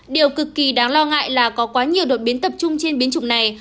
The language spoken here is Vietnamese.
điều cực kỳ đáng lo ngại là có quá nhiều đột biến tập trung trên biến chủng này